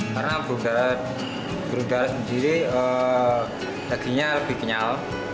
karena daging burung darah sendiri dagingnya lebih kenyal